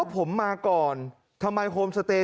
ผมมาก่อนทำไมโฮมสเตย